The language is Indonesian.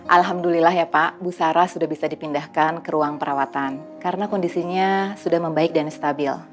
alhamdulillah ya pak busara sudah bisa dipindahkan ke ruang perawatan karena kondisinya sudah membaik dan stabil